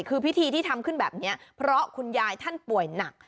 คือพิธีที่ทำขึ้นแบบนี้เพราะคุณยายท่านป่วยหนัก